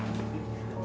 ini pak aja